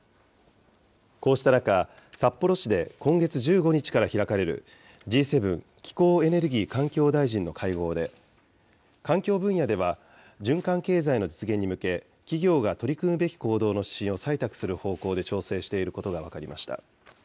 こうした中、札幌市で今月１５日から開かれるＧ７気候・エネルギー・環境大臣の会合で、環境分野では循環経済の実現に向け、企業が取り組むべき行動の指針を採択する方向で調整していることが分かりました。